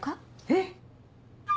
えっ！